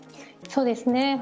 そうですね。